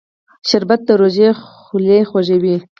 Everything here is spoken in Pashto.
شربت د روژې خولې خوږوي